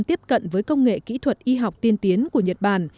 tiếp cận với công nghệ kỹ thuật y học tiên tiến của nhật bản